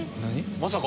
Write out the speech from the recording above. まさか。